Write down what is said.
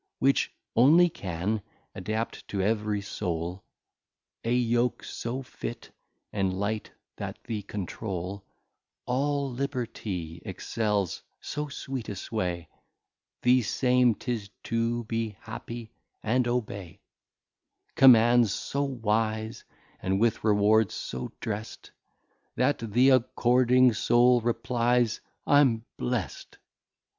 Which only can adapt to ev'ry Soul A Yoke so fit and light, that the Controle All Liberty excels; so sweet a Sway, The same 'tis to be Happy, and Obey; Commands so Wise and with Rewards so drest That the according Soul replys, I'm Blest.